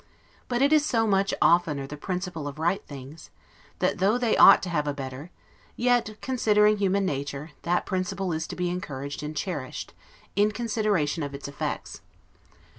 But it is so much oftener the principle of right things, that though they ought to have a better, yet, considering human nature, that principle is to be encouraged and cherished, in consideration of its effects.